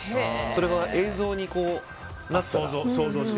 それが映像になったらと。